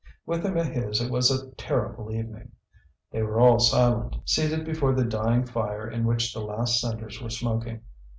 With the Maheus it was a terrible evening. They were all silent, seated before the dying fire in which the last cinders were smoking.